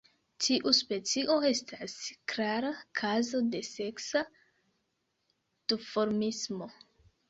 Tiu specio estas klara kazo de seksa duformismo.